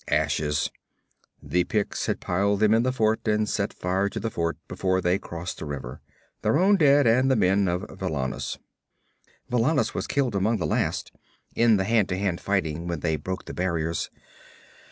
'Ashes. The Picts had piled them in the fort and set fire to the fort before they crossed the river. Their own dead and the men of Valannus.' 'Valannus was killed among the last in the hand to hand fighting when they broke the barriers.